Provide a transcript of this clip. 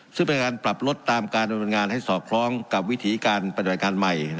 ซึ่งเป็นการปรับลดตามการดำเนินงานให้สอดคล้องกับวิธีการปฏิบัติการใหม่